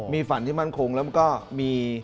มีฝันที่มั่นคงแล้วก็มี